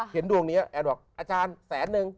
เห็นดวงเนี่ยเออ๋บอาจารย์สนึง